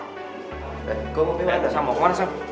eh gue mau pindah sambo kemana sam